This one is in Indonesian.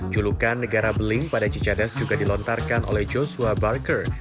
julukan negara beling pada cicadas juga dilontarkan oleh joshua barker